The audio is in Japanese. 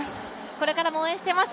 これからも応援しています。